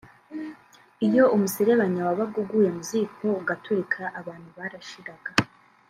Iyo umuserebanya wabaga uguye mu ziko ugaturika abantu barashiraga